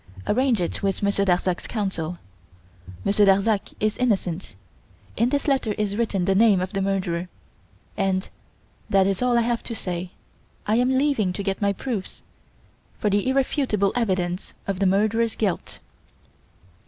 Arrange it with Monsieur Darzac's counsel. Monsieur Darzac is innocent. In this letter is written the name of the murderer; and that is all I have to say. I am leaving to get my proofs for the irrefutable evidence of the murderer's guilt.